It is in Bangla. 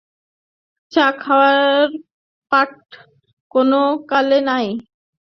চা খাওয়ার পাট কোন কালে নাই।